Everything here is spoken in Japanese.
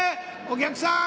お客さん